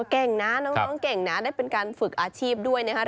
เก่งนะน้องเก่งนะได้เป็นการฝึกอาชีพด้วยนะครับ